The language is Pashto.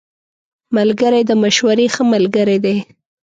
ملګری د مشورې ښه ملګری دی